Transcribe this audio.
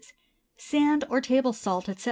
Sand, or table salt, etc.